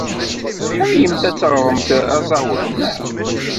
Tḥemmlemt ad teɣremt aẓawan, naɣ?